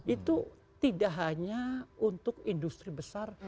itu tidak hanya untuk industri besar